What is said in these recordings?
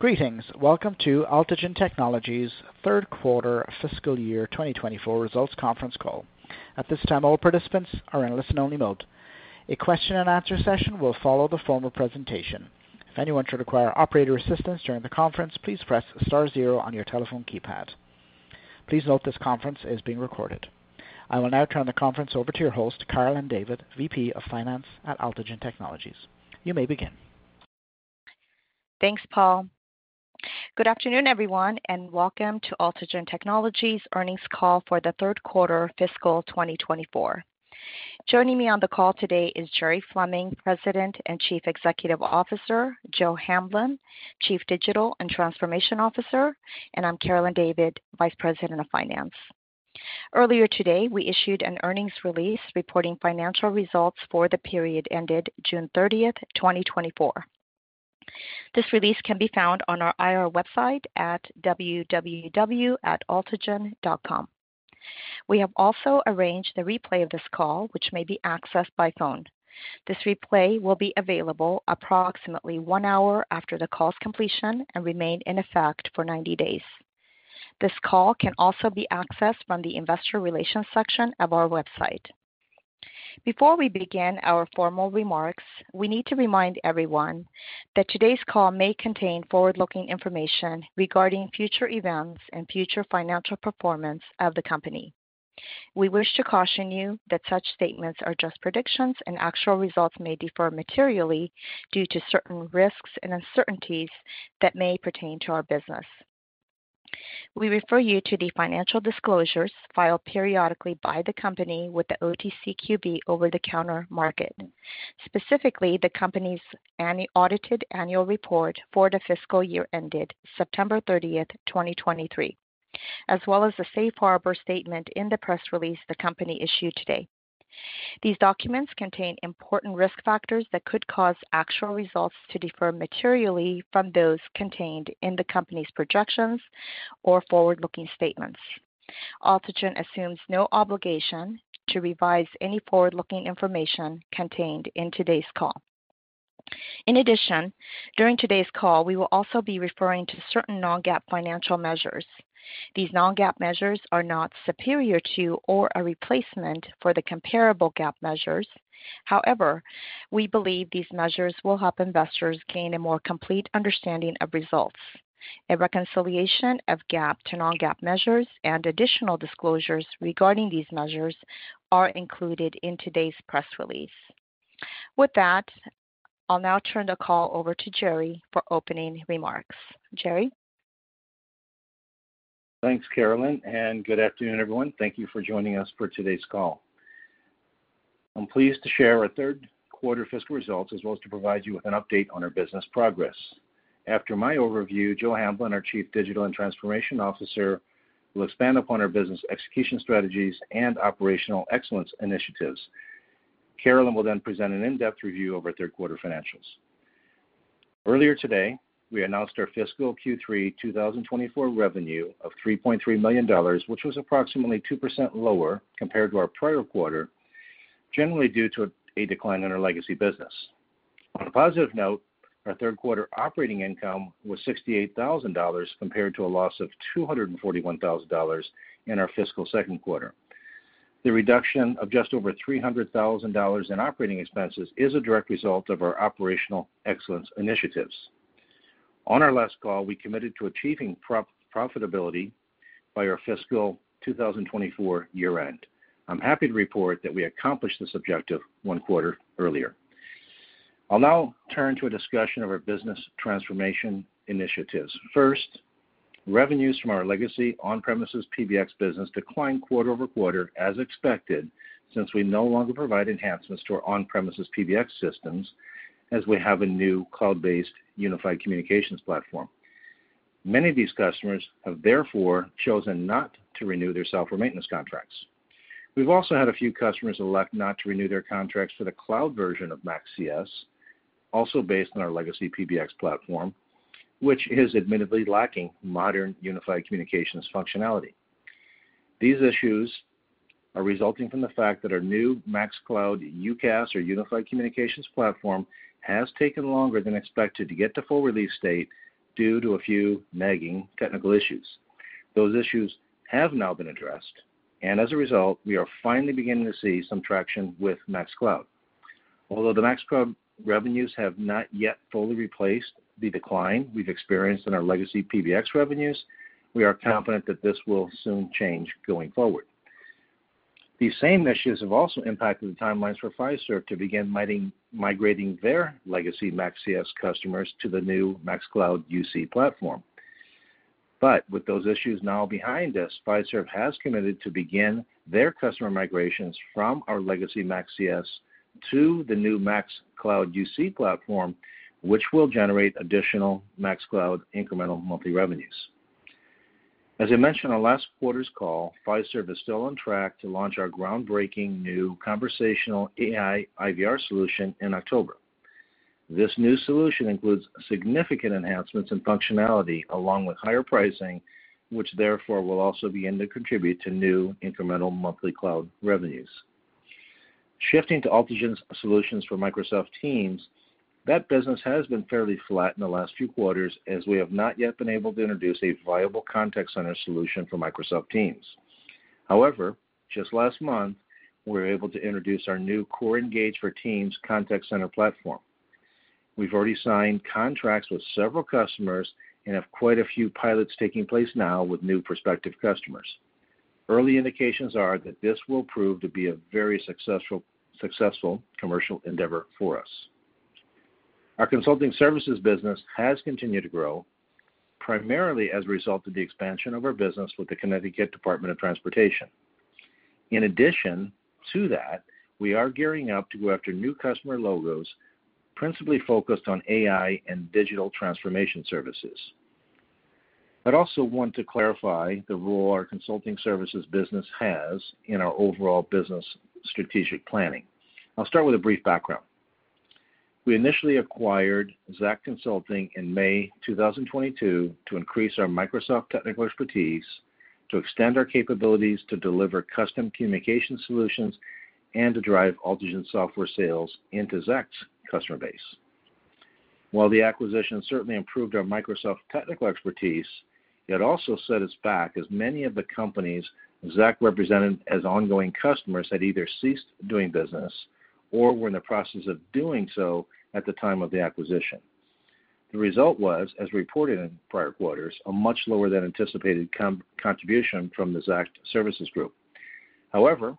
Greetings. Welcome to Altigen Technologies' Third Quarter Fiscal Year 2024 Results Conference Call. At this time, all participants are in listen-only mode. A question-and-answer session will follow the formal presentation. If anyone should require operator assistance during the conference, please press star zero on your telephone keypad. Please note this conference is being recorded. I will now turn the conference over to your host, Carolyn David, VP of Finance at Altigen Technologies. You may begin. Thanks, Paul. Good afternoon, everyone, and welcome to Altigen Technologies' earnings call for the third quarter fiscal 2024. Joining me on the call today is Jerry Fleming, President and Chief Executive Officer, Joe Hamblin, Chief Digital and Transformation Officer, and I'm Carolyn David, Vice President of Finance. Earlier today, we issued an earnings release reporting financial results for the period ended June 30, 2024. This release can be found on our IR website at www.altigen.com. We have also arranged a replay of this call, which may be accessed by phone. This replay will be available approximately one hour after the call's completion and remain in effect for 90 days. This call can also be accessed from the investor relations section of our website. Before we begin our formal remarks, we need to remind everyone that today's call may contain forward-looking information regarding future events and future financial performance of the company. We wish to caution you that such statements are just predictions, and actual results may differ materially due to certain risks and uncertainties that may pertain to our business. We refer you to the financial disclosures filed periodically by the company with the OTCQB over-the-counter market, specifically the company's audited annual report for the fiscal year ended September 30, 2023, as well as the safe harbor statement in the press release the company issued today. These documents contain important risk factors that could cause actual results to differ materially from those contained in the company's projections or forward-looking statements. Altigen assumes no obligation to revise any forward-looking information contained in today's call. In addition, during today's call, we will also be referring to certain non-GAAP financial measures. These non-GAAP measures are not superior to or a replacement for the comparable GAAP measures. However, we believe these measures will help investors gain a more complete understanding of results. A reconciliation of GAAP to non-GAAP measures and additional disclosures regarding these measures are included in today's press release. With that, I'll now turn the call over to Jerry for opening remarks. Jerry? Thanks, Carolyn, and good afternoon, everyone. Thank you for joining us for today's call. I'm pleased to share our third quarter fiscal results, as well as to provide you with an update on our business progress. After my overview, Joe Hamblin, our Chief Digital and Transformation Officer, will expand upon our business execution strategies and operational excellence initiatives. Carolyn will then present an in-depth review of our third quarter financials. Earlier today, we announced our fiscal Q3 2024 revenue of $3.3 million, which was approximately 2% lower compared to our prior quarter, generally due to a decline in our legacy business. On a positive note, our third quarter operating income was $68,000, compared to a loss of $241,000 in our fiscal second quarter. The reduction of just over $300,000 in operating expenses is a direct result of our operational excellence initiatives. On our last call, we committed to achieving profitability by our fiscal 2024 year-end. I'm happy to report that we accomplished this objective one quarter earlier. I'll now turn to a discussion of our business transformation initiatives. First, revenues from our legacy on-premises PBX business declined quarter-over-quarter, as expected, since we no longer provide enhancements to our on-premises PBX systems as we have a new cloud-based unified communications platform. Many of these customers have therefore chosen not to renew their software maintenance contracts. We've also had a few customers elect not to renew their contracts for the cloud version of MaxCS, also based on our legacy PBX platform, which is admittedly lacking modern unified communications functionality. These issues are resulting from the fact that our new MaxCloud UCaaS, or Unified Communications platform, has taken longer than expected to get to full release state due to a few nagging technical issues. Those issues have now been addressed, and as a result, we are finally beginning to see some traction with MaxCloud. Although the MaxCloud revenues have not yet fully replaced the decline we've experienced in our legacy PBX revenues, we are confident that this will soon change going forward. These same issues have also impacted the timelines for Fiserv to begin migrating their legacy MaxCS customers to the new MaxCloud UC platform. But with those issues now behind us, Fiserv has committed to begin their customer migrations from our legacy MaxCS to the new MaxCloud UC platform, which will generate additional MaxCloud incremental monthly revenues. As I mentioned on last quarter's call, Fiserv is still on track to launch our groundbreaking new conversational AI IVR solution in October. This new solution includes significant enhancements in functionality along with higher pricing, which therefore will also begin to contribute to new incremental monthly cloud revenues. Shifting to Altigen's solutions for Microsoft Teams, that business has been fairly flat in the last few quarters, as we have not yet been able to introduce a viable contact center solution for Microsoft Teams. However, just last month, we were able to introduce our new CoreEngage for Teams contact center platform. We've already signed contracts with several customers and have quite a few pilots taking place now with new prospective customers. Early indications are that this will prove to be a very successful, successful commercial endeavor for us. Our consulting services business has continued to grow, primarily as a result of the expansion of our business with the Connecticut Department of Transportation. In addition to that, we are gearing up to go after new customer logos, principally focused on AI and digital transformation services. I'd also want to clarify the role our consulting services business has in our overall business strategic planning. I'll start with a brief background. We initially acquired ZAACT Consulting in May 2022 to increase our Microsoft technical expertise, to extend our capabilities to deliver custom communication solutions, and to drive Altigen software sales into ZAACT’s customer base. While the acquisition certainly improved our Microsoft technical expertise, it also set us back, as many of the companies ZAACT represented as ongoing customers had either ceased doing business or were in the process of doing so at the time of the acquisition. The result was, as reported in prior quarters, a much lower than anticipated contribution from the ZAACT Services Group. However,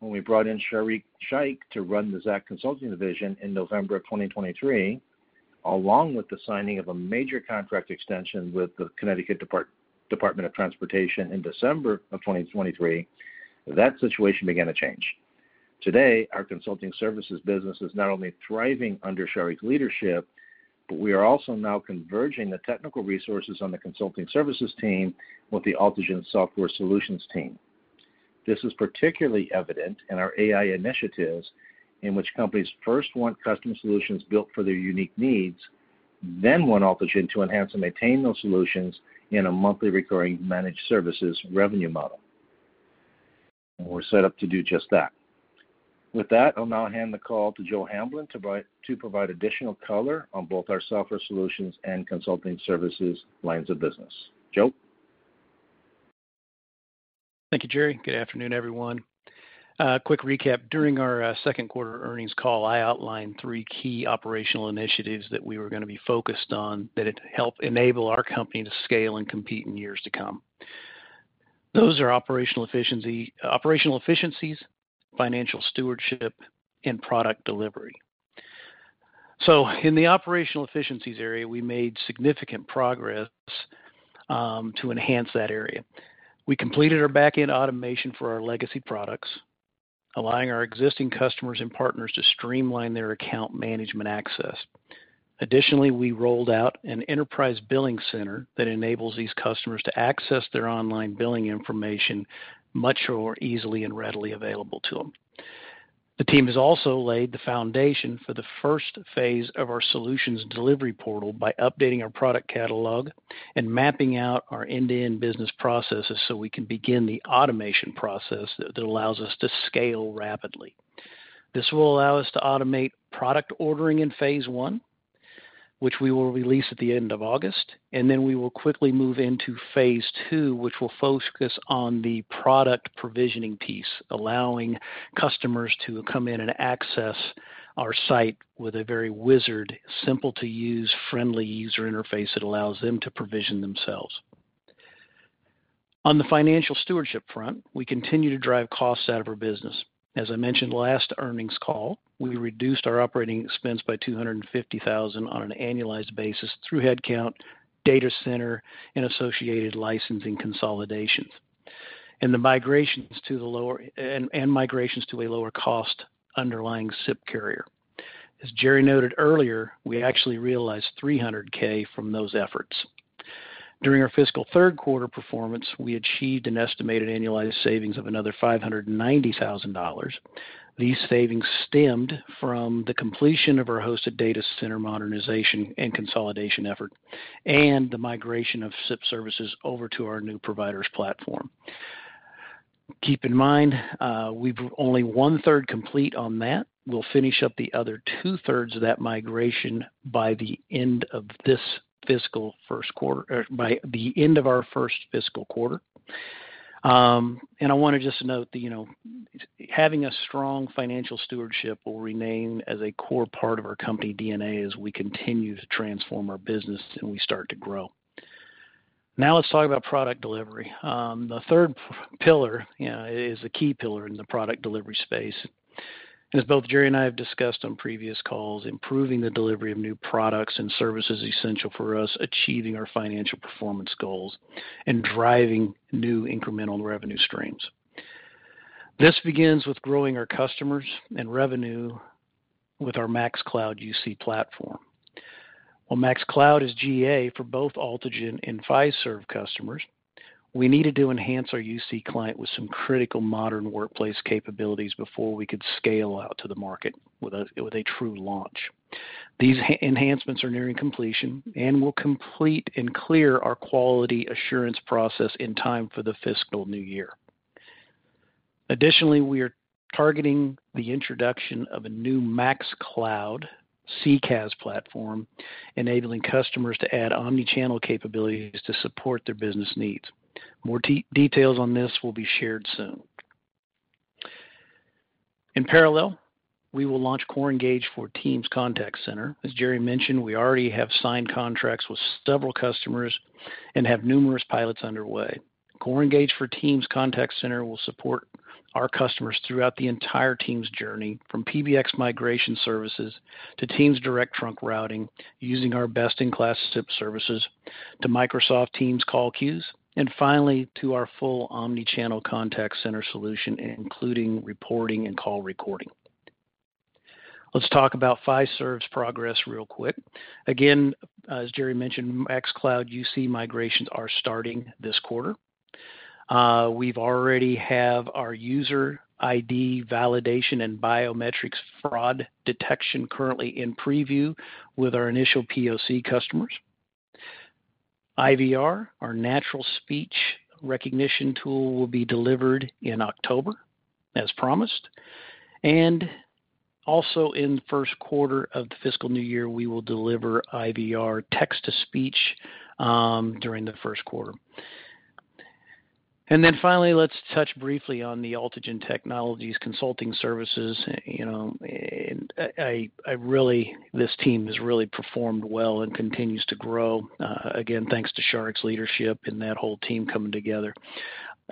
when we brought in Sharique Shaikh to run the ZAACT Consulting division in November of 2023, along with the signing of a major contract extension with the Connecticut Department of Transportation in December of 2023, that situation began to change. Today, our consulting services business is not only thriving under Sharique‘s leadership, but we are also now converging the technical resources on the consulting services team with the Altigen Software Solutions team. This is particularly evident in our AI initiatives, in which companies first want custom solutions built for their unique needs, then want Altigen to enhance and maintain those solutions in a monthly recurring managed services revenue model. We're set up to do just that. With that, I'll now hand the call to Joe Hamblin to provide additional color on both our software solutions and consulting services lines of business. Joe? Thank you, Gerry. Good afternoon, everyone. Quick recap. During our second quarter earnings call, I outlined three key operational initiatives that we were gonna be focused on, that it help enable our company to scale and compete in years to come. Those are operational efficiency, operational efficiencies, financial stewardship, and product delivery. So in the operational efficiencies area, we made significant progress to enhance that area. We completed our back-end automation for our legacy products, allowing our existing customers and partners to streamline their account management access. Additionally, we rolled out an enterprise billing center that enables these customers to access their online billing information much more easily and readily available to them. The team has also laid the foundation for the first phase of our solutions delivery portal by updating our product catalog and mapping out our end-to-end business processes so we can begin the automation process that allows us to scale rapidly. This will allow us to automate product ordering in phase one, which we will release at the end of August, and then we will quickly move into phase two, which will focus on the product provisioning piece, allowing customers to come in and access our site with a very wizard, simple-to-use, friendly user interface that allows them to provision themselves. On the financial stewardship front, we continue to drive costs out of our business. As I mentioned last earnings call, we reduced our operating expense by $250,000 on an annualized basis through headcount, data center, and associated licensing consolidations, and the migrations to a lower cost underlying SIP carrier. As Jerry noted earlier, we actually realized $300,000 from those efforts. During our fiscal third quarter performance, we achieved an estimated annualized savings of another $590,000. These savings stemmed from the completion of our hosted data center modernization and consolidation effort, and the migration of SIP services over to our new provider's platform. Keep in mind, we've only 1/3 complete on that. We'll finish up the other 2/3 of that migration by the end of this fiscal first quarter, by the end of our first fiscal quarter. And I wanna just note that, you know, having a strong financial stewardship will remain as a core part of our company DNA as we continue to transform our business and we start to grow. Now, let's talk about product delivery. The third pillar is a key pillar in the product delivery space. As both Jerry and I have discussed on previous calls, improving the delivery of new products and services is essential for us, achieving our financial performance goals and driving new incremental revenue streams. This begins with growing our customers and revenue with our MaxCloud UC platform. While MaxCloud is GA for both Altigen and Fiserv customers, we needed to enhance our UC client with some critical modern workplace capabilities before we could scale out to the market with a true launch. These enhancements are nearing completion and will complete and clear our quality assurance process in time for the fiscal new year. Additionally, we are targeting the introduction of a new MaxCloud CCaaS platform, enabling customers to add omni-channel capabilities to support their business needs. More details on this will be shared soon. In parallel, we will launch CoreEngage for Teams Contact Center. As Jerry mentioned, we already have signed contracts with several customers and have numerous pilots underway. CoreEngage for Teams Contact Center will support our customers throughout the entire Teams journey, from PBX migration services to Teams direct trunk routing, using our best-in-class SIP services to Microsoft Teams call queues, and finally, to our full omni-channel contact center solution, including reporting and call recording. Let's talk about Fiserv's progress real quick. Again, as Jerry mentioned, MaxCloud UC migrations are starting this quarter. We've already have our user ID validation and biometrics fraud detection currently in preview with our initial POC customers. IVR, our natural speech recognition tool, will be delivered in October, as promised, and also in the first quarter of the fiscal new year, we will deliver IVR text-to-speech during the first quarter. Then finally, let's touch briefly on the Altigen Technologies Consulting Services. You know, this team has really performed well and continues to grow. Again, thanks to Sharique‘s leadership and that whole team coming together.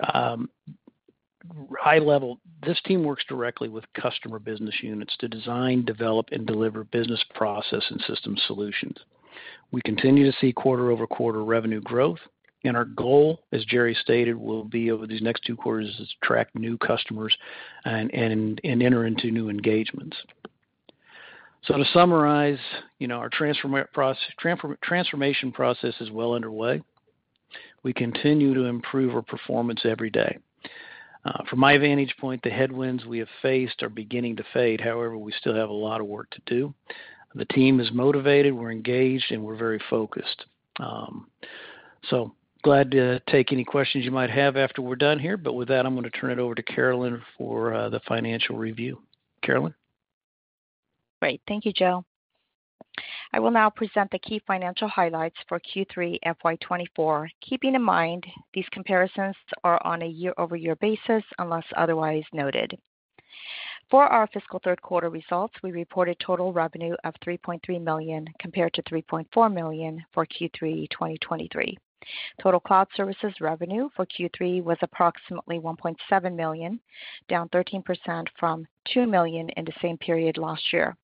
High level, this team works directly with customer business units to design, develop, and deliver business process and system solutions. We continue to see quarter-over-quarter revenue growth, and our goal, as Jerry stated, will be over these next two quarters, is to attract new customers and enter into new engagements. So to summarize, you know, our transformation process is well underway. We continue to improve our performance every day. From my vantage point, the headwinds we have faced are beginning to fade. However, we still have a lot of work to do. The team is motivated, we're engaged, and we're very focused. So glad to take any questions you might have after we're done here, but with that, I'm gonna turn it over to Carolyn for the financial review. Carolyn? Great. Thank you, Joe. I will now present the key financial highlights for Q3 FY 2024. Keeping in mind, these comparisons are on a year-over-year basis, unless otherwise noted. For our fiscal third quarter results, we reported total revenue of $3.3 million, compared to $3.4 million for Q3 2023. Total cloud services revenue for Q3 was approximately $1.7 million, down 13% from $2 million in the same period last year.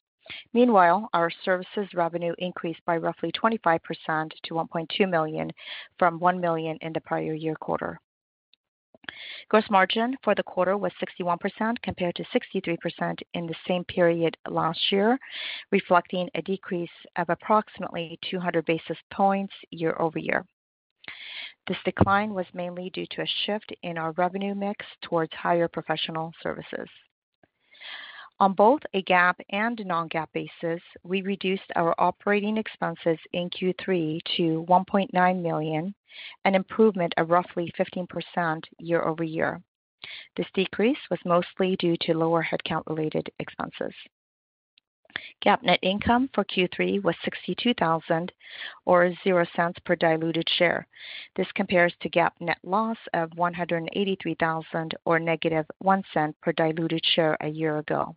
Meanwhile, our services revenue increased by roughly 25% to $1.2 million from $1 million in the prior year quarter. Gross margin for the quarter was 61%, compared to 63% in the same period last year, reflecting a decrease of approximately 200 basis points year-over-year. This decline was mainly due to a shift in our revenue mix towards higher professional services. On both a GAAP and non-GAAP basis, we reduced our operating expenses in Q3 to $1.9 million, an improvement of roughly 15% year-over-year. This decrease was mostly due to lower headcount-related expenses. GAAP net income for Q3 was $62,000, or $0.00 per diluted share. This compares to GAAP net loss of $183,000, or -$0.01 per diluted share a year ago.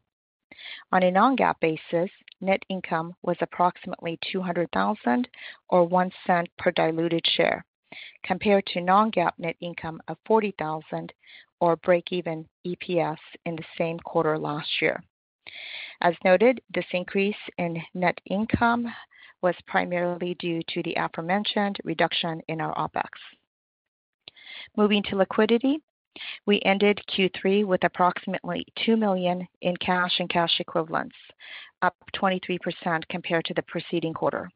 On a non-GAAP basis, net income was approximately $200,000 or $0.01 per diluted share, compared to non-GAAP net income of $40,000 or break-even EPS in the same quarter last year. As noted, this increase in net income was primarily due to the aforementioned reduction in our OpEx. Moving to liquidity, we ended Q3 with approximately $2 million in cash and cash equivalents, up 23% compared to the preceding quarter.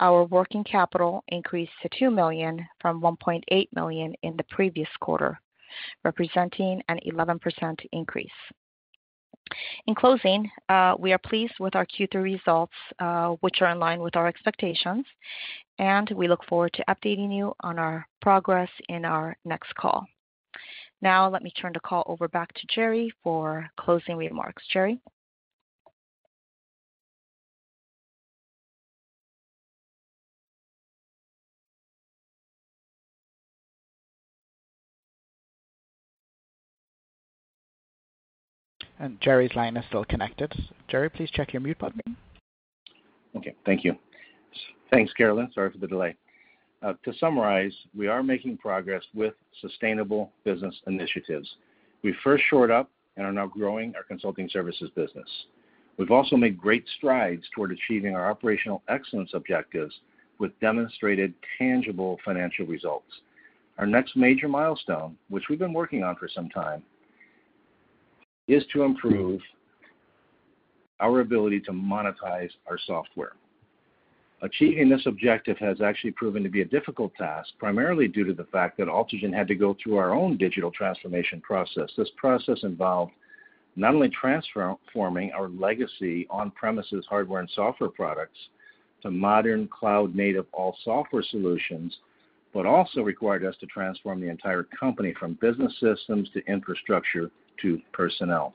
Our working capital increased to $2 million from $1.8 million in the previous quarter, representing an 11% increase. In closing, we are pleased with our Q3 results, which are in line with our expectations, and we look forward to updating you on our progress in our next call. Now, let me turn the call over back to Jerry for closing remarks. Jerry? Jerry's line is still connected. Jerry, please check your mute button. Okay. Thank you. Thanks, Carolyn. Sorry for the delay. To summarize, we are making progress with sustainable business initiatives. We first shored up and are now growing our consulting services business. We've also made great strides toward achieving our operational excellence objectives with demonstrated, tangible financial results. Our next major milestone, which we've been working on for some time, is to improve our ability to monetize our software. Achieving this objective has actually proven to be a difficult task, primarily due to the fact that Altigen had to go through our own digital transformation process. This process involved not only transforming our legacy on-premises hardware and software products to modern cloud-native all-software solutions, but also required us to transform the entire company, from business systems to infrastructure to personnel.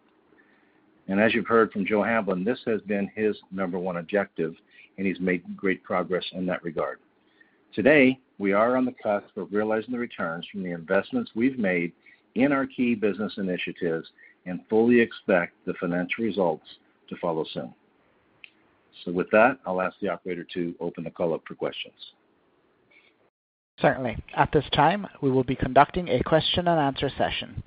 And as you've heard from Joe Hamblin, this has been his number one objective, and he's made great progress in that regard. Today, we are on the cusp of realizing the returns from the investments we've made in our key business initiatives and fully expect the financial results to follow soon. So with that, I'll ask the operator to open the call up for questions. Certainly. At this time, we will be conducting a question and answer session.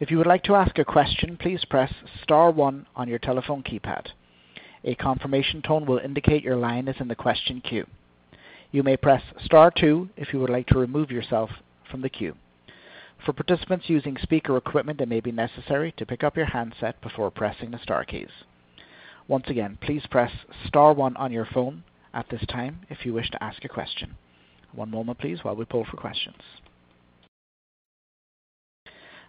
If you would like to ask a question, please press star one on your telephone keypad. A confirmation tone will indicate your line is in the question queue. You may press star two if you would like to remove yourself from the queue. For participants using speaker equipment, it may be necessary to pick up your handset before pressing the star keys. Once again, please press star one on your phone at this time if you wish to ask a question. One moment please, while we pull for questions.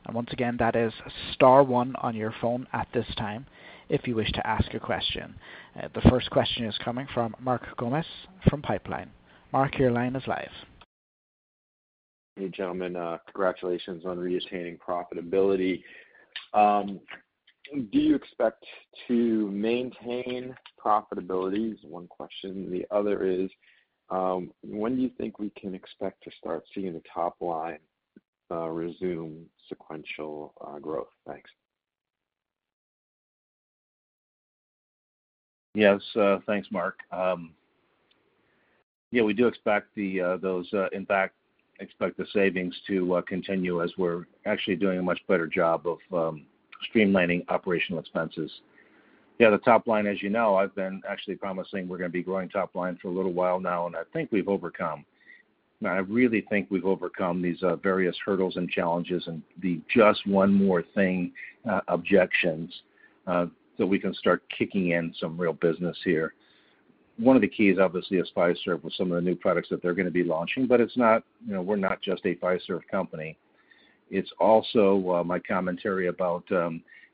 And once again, that is star one on your phone at this time if you wish to ask a question. The first question is coming from Mark Gomes from Pipeline. Mark, your line is live. Hey, gentlemen, congratulations on reattaining profitability. Do you expect to maintain profitability? Is one question. The other is, when do you think we can expect to start seeing the top line, resume sequential, growth? Thanks. Yes. Thanks, Mark. Yeah, we do expect the savings to continue as we're actually doing a much better job of streamlining operational expenses. Yeah, the top line, as you know, I've been actually promising we're gonna be growing top line for a little while now, and I think we've overcome. I really think we've overcome these various hurdles and challenges and the just one more thing objections, so we can start kicking in some real business here. One of the keys, obviously, is Fiserv with some of the new products that they're gonna be launching, but it's not, you know, we're not just a Fiserv company. It's also my commentary about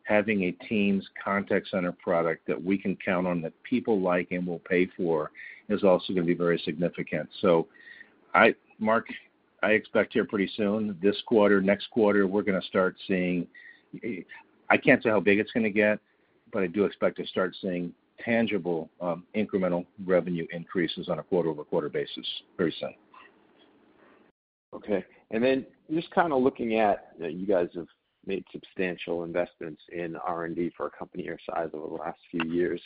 having a Teams contact center product that we can count on, that people like and will pay for, is also gonna be very significant. Mark, I expect here pretty soon, this quarter, next quarter, we're gonna start seeing, I can't say how big it's gonna get, but I do expect to start seeing tangible, incremental revenue increases on a quarter-over-quarter basis very soon. Okay. And then just kind of looking at, you guys have made substantial investments in R&D for a company your size over the last few years.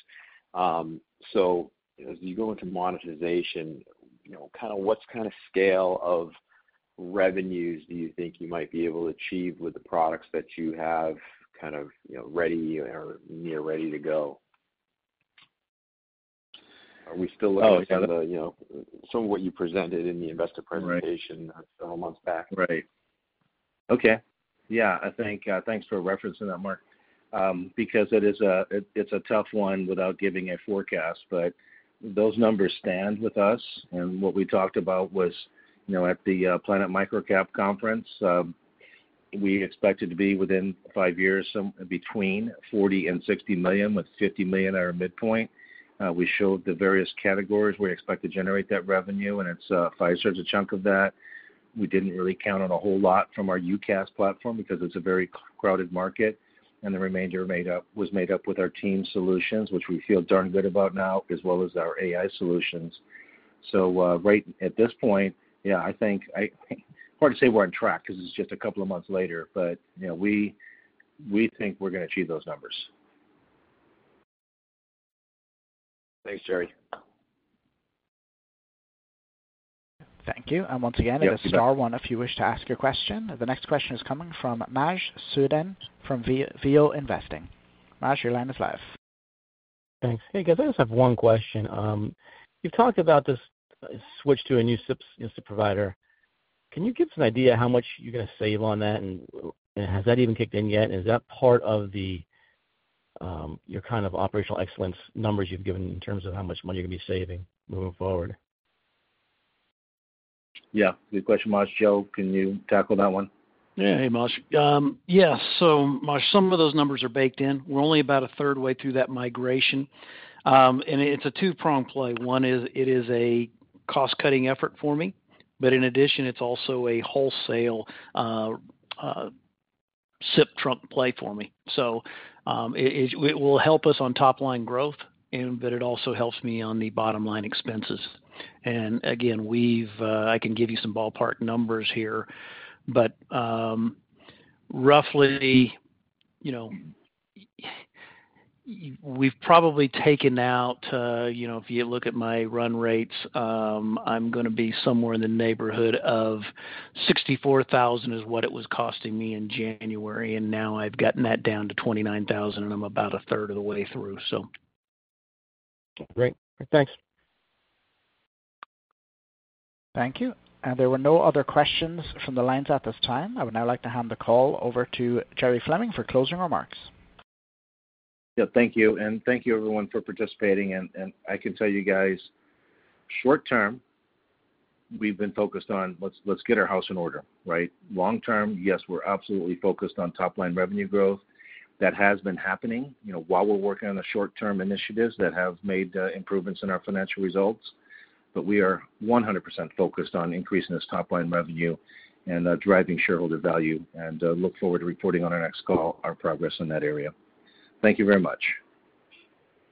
So as you go into monetization, you know, kind of what's kind of scale of revenues do you think you might be able to achieve with the products that you have kind of, you know, ready or near ready to go? Are we still looking at, you know, some of what you presented in the investor presentation a few months back? Right. Okay. Yeah, I think, thanks for referencing that, Mark. Because it is, it's a tough one without giving a forecast, but those numbers stand with us, and what we talked about was, you know, at the Planet Microcap conference, we expected to be, within five years, between $40 million and $60 million, with $50 million our midpoint. We showed the various categories we expect to generate that revenue, and it's Fiserv's a chunk of that. We didn't really count on a whole lot from our UCaaS platform because it's a very crowded market, and the remainder was made up with our team solutions, which we feel darn good about now, as well as our AI solutions. So, right at this point, yeah, I think, hard to say we're on track because it's just a couple of months later, but, you know, we, we think we're gonna achieve those numbers. Thanks, Jerry. Thank you. And once again, it is star one if you wish to ask a question. The next question is coming from Maj Soueidan from Geoinvesting. Maj, your line is live. Thanks. Hey, guys, I just have one question. You've talked about this switch to a new SIPs provider. Can you give us an idea how much you're gonna save on that, and has that even kicked in yet? And is that part of the, your kind of operational excellence numbers you've given in terms of how much money you're gonna be saving moving forward? Yeah, good question, Maj. Joe, can you tackle that one? Yeah. Hey, Maj. Yeah, so Maj, some of those numbers are baked in. We're only about 1/3 way through that migration. And it's a two-pronged play. One is, it is a cost-cutting effort for me, but in addition, it's also a wholesale SIP trunk play for me. So, it will help us on top line growth, and but it also helps me on the bottom line expenses. And again, I can give you some ballpark numbers here, but roughly, you know, we've probably taken out, you know, if you look at my run rates, I'm gonna be somewhere in the neighborhood of $64,000 is what it was costing me in January, and now I've gotten that down to $29,000, and I'm about a 1/3 of the way through, so. Great. Thanks. Thank you. There were no other questions from the lines at this time. I would now like to hand the call over to Jerry Fleming for closing remarks. Yeah, thank you, and thank you everyone for participating, and I can tell you guys, short term, we've been focused on let's get our house in order, right? Long term, yes, we're absolutely focused on top-line revenue growth. That has been happening, you know, while we're working on the short-term initiatives that have made improvements in our financial results. But we are 100% focused on increasing this top-line revenue and driving shareholder value, and look forward to reporting on our next call, our progress in that area. Thank you very much.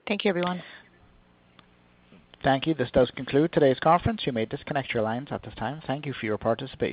Thank you, everyone. Thank you. This does conclude today's conference. You may disconnect your lines at this time. Thank you for your participation.